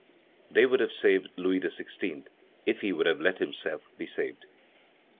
They would have saved Louis XVI. if he would have let himself be saved.